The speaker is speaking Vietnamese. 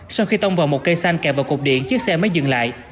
sau khi tông vào một cây xanh kẹp vào cục điện chiếc xe mới dừng lại